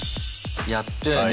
やったよね。